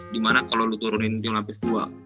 gimana kalau lu turunin tim pelapis dua